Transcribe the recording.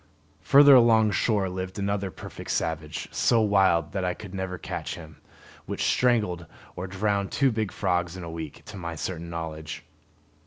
Further along shore lived another, a perfect savage, so wild that I could never catch him, which strangled or drowned two big frogs in a week, to my certain knowledge.